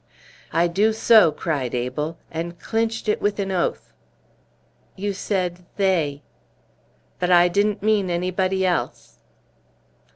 "I do so!" cried Abel, and clinched it with an oath. "You said 'they.'" "But I didn't mean anybody else."